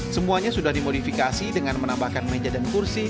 semuanya sudah dimodifikasi dengan menambahkan meja dan kursi